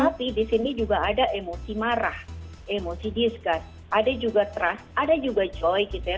tapi di sini juga ada emosi marah emosi discuss ada juga trust ada juga joy gitu ya